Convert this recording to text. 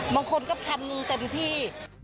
บางคนก็ทันเงินเต็มที่